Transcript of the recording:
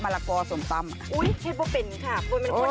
อ๋อเพ็ดไม่เป็นคะมันเป็นคนคนติดใจ